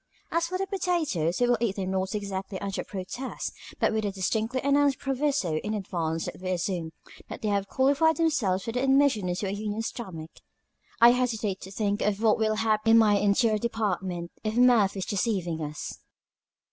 As for the potatoes, we will eat them not exactly under protest, but with a distinctly announced proviso in advance that we assume that they have qualified themselves for admission into a union stomach. I hesitate to think of what will happen in my interior department if Murphy is deceiving us."